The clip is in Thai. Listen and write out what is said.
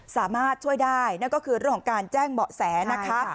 สามารถช่วยได้นั่นก็คือเรื่องของการแจ้งเบาะแสนะคะ